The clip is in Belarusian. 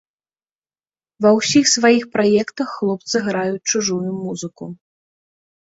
Ва ўсіх сваіх праектах хлопцы граюць чужую музыку.